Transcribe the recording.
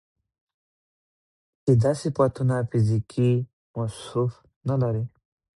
چې دا صفتونه فزيکي موصوف نه لري